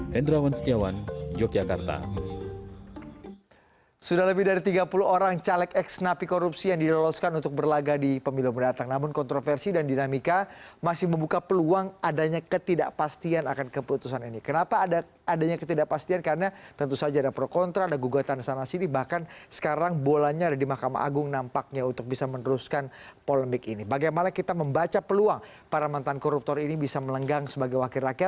hendrawan setiawan yogyakarta